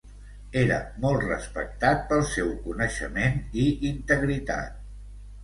Era molt respectat pel seu coneixement i integritat.